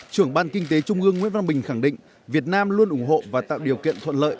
trưởng ban kinh tế trung ương nguyễn văn bình khẳng định việt nam luôn ủng hộ và tạo điều kiện thuận lợi